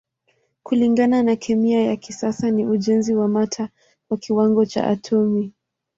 Kulingana na kemia ya kisasa ni ujenzi wa mata kwa kiwango cha atomi.